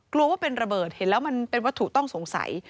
กลัวว่าเป็นระเบิดเห็นแล้วมันเป็นวัตถุต้องสงสัย